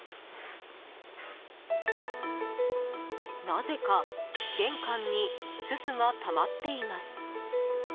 なぜか玄関にすすがたまっています。